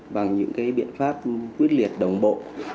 bằng những biện pháp quyết liệt đồng bộ